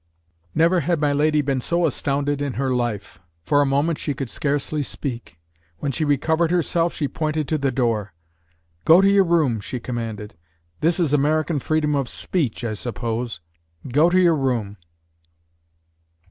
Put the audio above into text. Never had my lady been so astounded in her life. For a moment she could scarcely speak. When she recovered herself she pointed to the door. "Go to your room," she commanded. "This is American freedom of speech, I suppose. Go to your room."